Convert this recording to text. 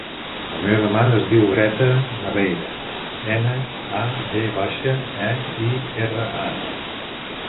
La meva mare es diu Greta Naveira: ena, a, ve baixa, e, i, erra, a.